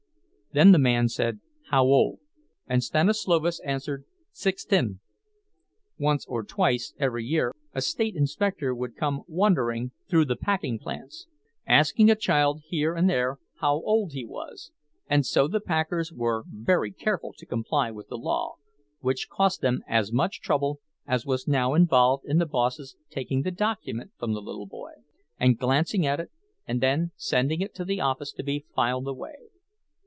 Then the man said "How old?" and Stanislovas answered, "Sixtin." Once or twice every year a state inspector would come wandering through the packing plants, asking a child here and there how old he was; and so the packers were very careful to comply with the law, which cost them as much trouble as was now involved in the boss's taking the document from the little boy, and glancing at it, and then sending it to the office to be filed away.